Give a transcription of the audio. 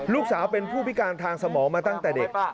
ลูกสาวเป็นผู้พิการทางสมองมาตั้งแต่เด็ก